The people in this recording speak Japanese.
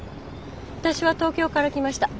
私は東京から来ました。